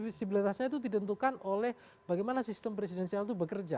visibilitasnya itu ditentukan oleh bagaimana sistem presidensial itu bekerja